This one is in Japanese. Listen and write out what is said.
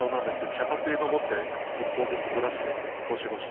脚立に登って一本ずつブラシでゴシゴシと。